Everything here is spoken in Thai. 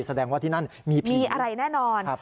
แสดงว่าที่นั่นมีผีอะไรแน่นอน